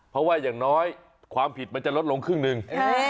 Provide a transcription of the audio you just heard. เพราะว่าอย่างน้อยความผิดมันจะลดลงครึ่งหนึ่ง